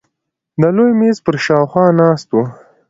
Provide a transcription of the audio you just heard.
د لوی مېز پر شاوخوا ناست وو.